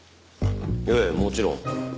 ええもちろん。